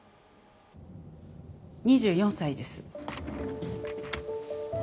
２４歳です。